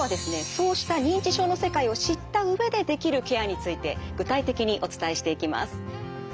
そうした認知症の世界を知った上でできるケアについて具体的にお伝えしていきます。